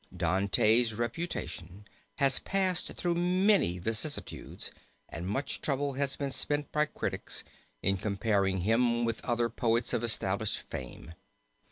"Dante's reputation has passed through many vicissitudes, and much trouble has been spent by critics in comparing him with other poets of established fame.